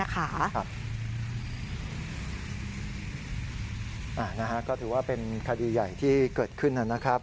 ก็ถือว่าเป็นคดีใหญ่ที่เกิดขึ้นนะครับ